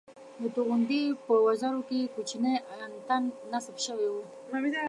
د توغندي په وزرو کې کوچنی انتن نصب شوی وو